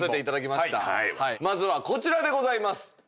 まずはこちらでございます。